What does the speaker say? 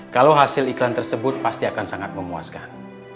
kalau hasil iklan tersebut pasti akan sangat memuaskan